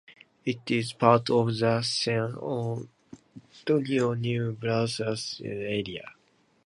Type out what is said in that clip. It is part of the San Antonio-New Braunfels Metropolitan Area.